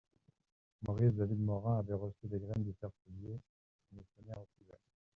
Maurice de Vilmorin avait reçu des graines du père Soulié, missionnaire au Tibet.